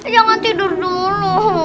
jangan tidur dulu